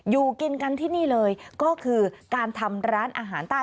อยู่กินกันที่นี่เลยก็คือการทำร้านอาหารใต้